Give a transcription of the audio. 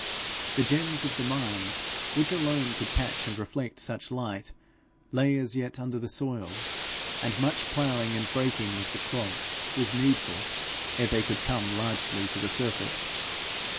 The gems of the mind, which alone could catch and reflect such light, lay as yet under the soil, and much ploughing and breaking of the clods was needful ere they could come largely to the surface.